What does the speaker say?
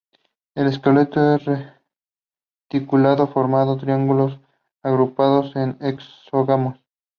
El esqueleto es reticulado formando triángulos agrupados en hexágonos.